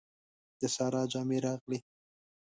د سارا جامې راغلې.